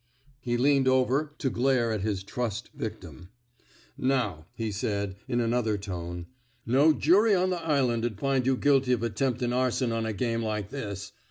He leaned over to glare at his trussed victim. Now," he said, in another tone, no jury on th* island 'd find you guilty of attemptin' arson on a game like this.